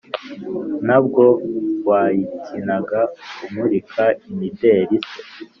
nabwo wayikinaga umurika imideli se?